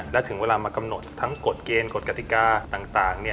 และถึงเวลามากำหนดทั้งกฎเกณฑ์กฎกติกาต่าง